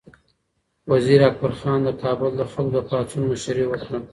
وزیر اکبر خان د کابل د خلکو د پاڅون مشري وکړه.